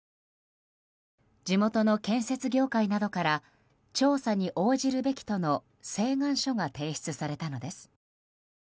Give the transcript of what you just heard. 地元の建設業界などから調査に応じるべきとの請願書が提出されたのです。